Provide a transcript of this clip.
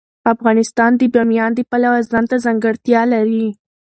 افغانستان د بامیان د پلوه ځانته ځانګړتیا لري.